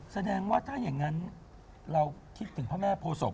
แสดงว่าถ้าอย่างนั้นเราคิดถึงพระแม่โพศพ